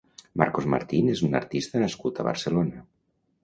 Marcos Martín és un artista nascut a Barcelona.